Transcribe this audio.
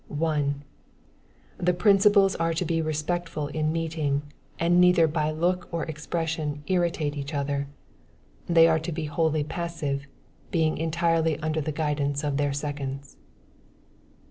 1. The principals are to be respectful in meeting, and neither by look or expression irritate each other. They are to be wholly passive, being entirely under the guidance of their seconds.